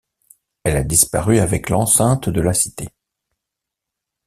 Elle a disparu avec l'enceinte de la cité.